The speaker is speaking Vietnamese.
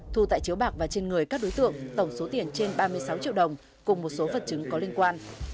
thu tại chiếu bạc và trên người các đối tượng tổng số tiền trên ba mươi sáu triệu đồng cùng một số vật chứng có liên quan